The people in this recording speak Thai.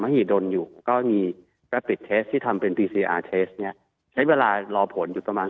มหิดลอยู่ก็มีที่ทำเป็นเนี้ยใช้เวลารอผลอยู่ประมาณ